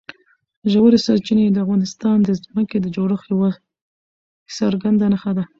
ژورې سرچینې د افغانستان د ځمکې د جوړښت یوه څرګنده نښه ده.